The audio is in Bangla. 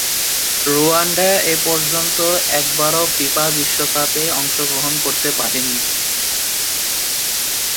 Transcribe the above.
রুয়ান্ডা এপর্যন্ত একবারও ফিফা বিশ্বকাপে অংশগ্রহণ করতে পারেনি।